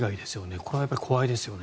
これは怖いですよね。